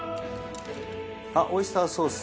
あっオイスターソース